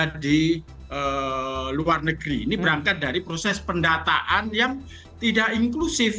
jadi luar negeri ini berangkat dari proses pendataan yang tidak inklusif